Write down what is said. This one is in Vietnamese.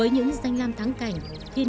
nhưng nguyễn vinh hiển